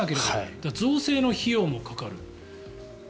だから、造成の費用もかかる。